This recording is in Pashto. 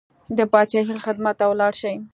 د پاچاهۍ خدمت ته ولاړ شي.